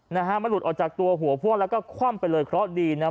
นะฮะมันหลุดออกจากตัวหัวพ่วงแล้วก็คว่ำไปเลยเคราะห์ดีนะ